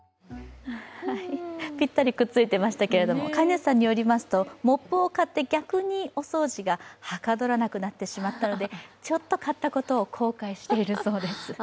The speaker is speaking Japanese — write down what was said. ぴったりくっついていましたけども、飼い主さんによりますと、モップを買って逆にお掃除がはかどらなくなってしまったのでちょっと買ったことを後悔しているそうです。